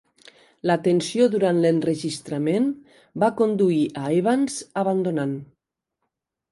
La tensió durant l'enregistrament va conduir a Evans abandonant.